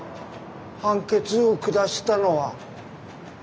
判決を下したのは。